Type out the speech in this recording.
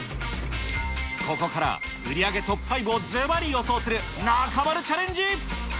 ここから、売り上げトップ５をずばり予想する中丸チャレンジ。